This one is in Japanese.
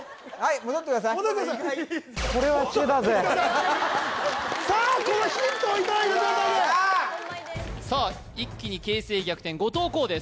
戻ってくださいさあこのヒントをいただいた状態でさあ一気に形勢逆転後藤弘です